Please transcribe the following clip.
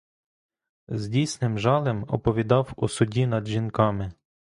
З дійсним жалем оповідав о суді над жінками.